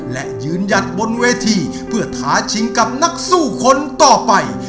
และยืนหยัดบนเวทีเพื่อท้าชิงกับนักสู้คนต่อไป